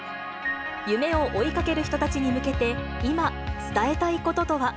夢を追いかける人たちに向けて、今、伝えたいこととは。